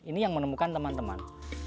ini yang menemukan teman teman